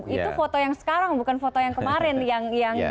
itu foto yang sekarang bukan foto yang kemarin yang dua ribu empat belas